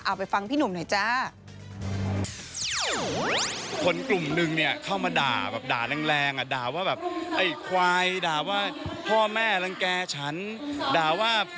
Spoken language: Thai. ไปฟังพี่หนุ่มหน่อยจ้า